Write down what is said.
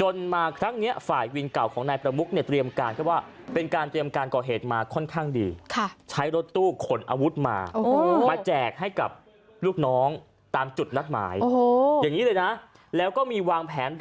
จนแม่ทนไม่ไหวตอนนั้น